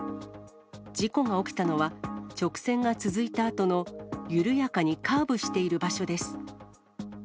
事故が起きたのは、直線が続いたあとの緩やかにカーブしている場所です。